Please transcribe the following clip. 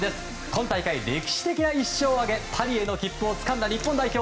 今大会、歴史的な勝利を挙げパリへの切符をつかんだ日本代表。